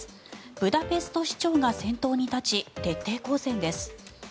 ブダペスト市長が先頭に立ち徹底抗戦です。